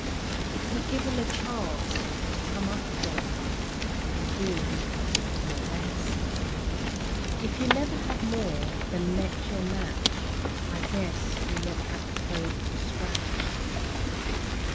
It will give him a chance to come up again And do his particular best. If you never have more than met your match, I guess you never have toed the scratch.